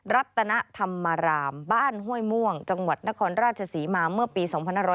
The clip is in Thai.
รัตนธรรมรามบ้านห้วยม่วงจังหวัดนครราชศรีมาเมื่อปี๒๕๖๐